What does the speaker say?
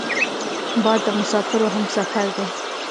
باد د مسافرو همسفر دی